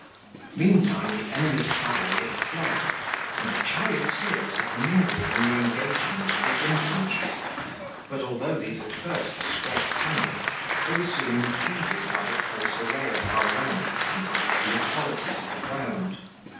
Meantime the enemy's cavalry had fled, and the charioteers had mingled in the engagement of the infantry. But although these at first spread panic, they were soon impeded by the close array of our ranks and by the inequalities of the ground.